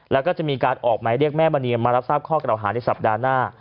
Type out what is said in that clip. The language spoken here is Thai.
แล้วก็จะมีการออกหมายเรียกแม่มณีมารับทราบข้อกล่าวหาในสัปดาห์หน้า